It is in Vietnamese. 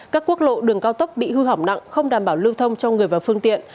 các quốc lộ đường cao tốc bị hư hỏng nặng không đảm bảo lưu thông cho người và phương tiện